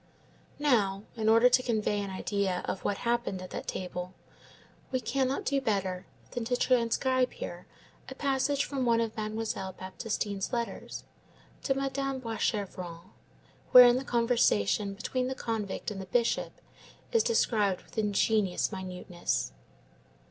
Now, in order to convey an idea of what passed at that table, we cannot do better than to transcribe here a passage from one of Mademoiselle Baptistine's letters to Madame Boischevron, wherein the conversation between the convict and the Bishop is described with ingenious minuteness.